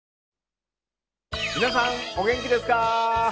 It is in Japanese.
皆さんお元気ですか？